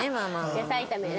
野菜炒めね。